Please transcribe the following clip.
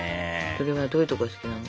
それはどういうとこが好きなの？